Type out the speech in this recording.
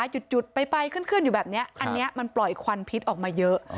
หยุดหยุดไปไปขึ้นขึ้นอยู่แบบเนี้ยอันเนี้ยมันปล่อยควันพิษออกมาเยอะ